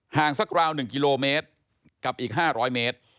สักราว๑กิโลเมตรกับอีก๕๐๐เมตร